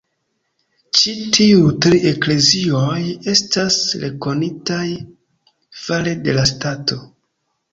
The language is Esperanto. Ĉi tiuj tri eklezioj estas rekonitaj fare de la stato.